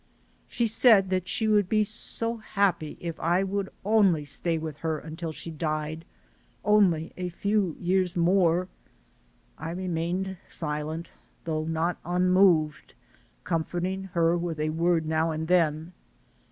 She said that she would be so happy if I would only stay with her until she died, "only a few years more." I remained silent, though not un moved, comforting her with a word now and then.